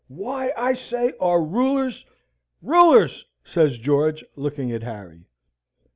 "Why, I say, are rulers " "Rulers," says George, looking at Harry.